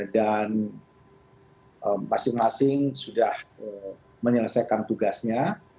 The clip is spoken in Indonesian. dan masing masing sudah menyelesaikan tugasnya